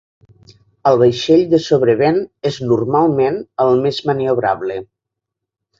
El vaixell de sobrevent és normalment el més maniobrable.